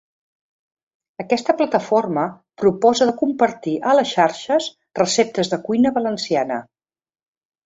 Aquesta plataforma proposa de compartir a les xarxes receptes de cuina valenciana.